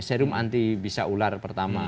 serum anti bisa ular pertama